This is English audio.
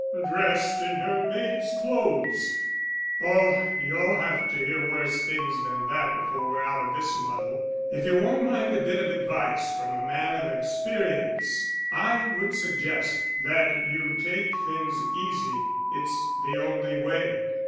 _" "Dressed in her maid's clothes. Oh, you'll have to hear worse things than that before we're out of this muddle. If you won't mind a bit of advice from a man of experience, I would suggest that you take things easy. It's the only way."